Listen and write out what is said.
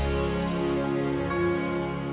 ya ampun bang